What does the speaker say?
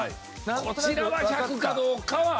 こちらは１００かどうかは。